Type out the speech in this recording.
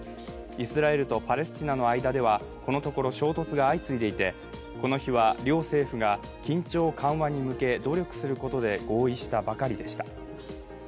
イスラエルとパレスチナとの間ではこのところ衝突が相次いでいて、この日は両政府が緊張緩和に向け、努力することで合意したばかりでした。